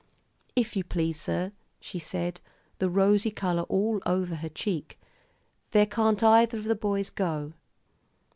"If you please, sir," she said, the rosy color all over her cheek, "there can't either of the boys go."